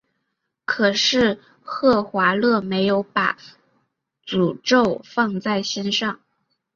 可是赫华勒没有把诅咒放在心上。